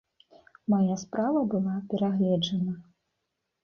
Мая справа была перагледжана.